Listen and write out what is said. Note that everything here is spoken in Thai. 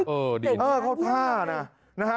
เออเต็มท่าน่ะ